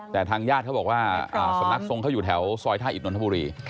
แต่ทางญาติเขาบอกว่าสำนักทรงเขาอยู่แถวซอยท่าอิดนนทบุรี